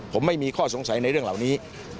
ผมไม่มีข้อสงสัยในเรื่องเหล่านี้